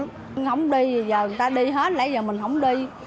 không đi giờ người ta đi hết lấy giờ mình không đi